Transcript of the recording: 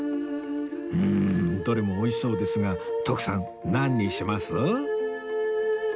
うーんどれもおいしそうですが徳さん何にします？